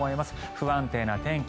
不安定な天気